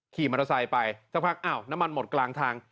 ขี่มอเตอร์ไซค์ไปน้ำมันหมดกลางทาง